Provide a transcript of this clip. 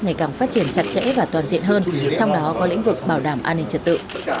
ngày càng phát triển chặt chẽ và toàn diện hơn trong đó có lĩnh vực bảo đảm an ninh trật tự